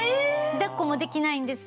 だっこもできないんです。